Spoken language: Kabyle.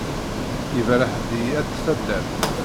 Iberreḥ-d i At taddart.